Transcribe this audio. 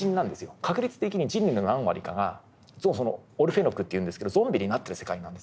確率的に人類の何割かがオルフェノクっていうんですけどゾンビになってる世界なんです。